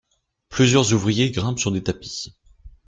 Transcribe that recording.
Plusieurs ouvriers grimpent sur des tapis.